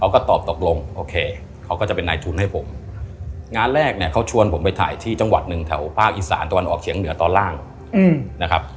เขาก็ตอบตกลงโอเคเขาก็จะเป็นนายทุนให้ผมงานแรกเนี่ยเขาชวนผมไปถ่ายที่จังหวัดหนึ่งแถวภาคอีสานตะวันออกเฉียงเหนือตอนล่างนะครับ